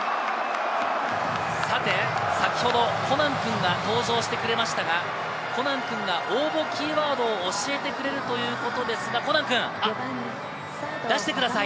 先ほど、コナン君が登場してくれましたがコナン君が応募キーワードを教えてくれるということですがコナン君、出してください。